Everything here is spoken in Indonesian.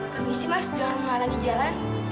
kamu sih mas jangan menghalangi jalan